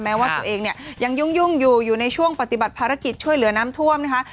ว่าตัวเองเนี่ยยังยุ่งอยู่อยู่ในช่วงปฏิบัติภารกิจช่วยเหลือน้ำท่วมนะคะ